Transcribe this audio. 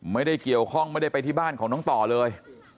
ไม่ได้เกี่ยวข้องไม่ได้ไปที่บ้านของน้องต่อเลย